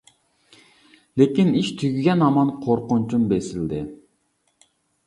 لېكىن ئىش تۈگىگەن ھامان قورقۇنچۇم بېسىلدى.